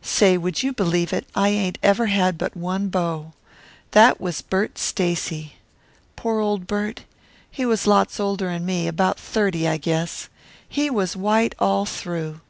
Say, would you believe it, I ain't ever had but one beau. That was Bert Stacy. Poor old Bert! He was lots older than me; about thirty, I guess. He was white all through.